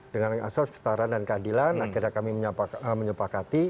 dengan asas kesetaraan dan keadilan akhirnya kami menyepakati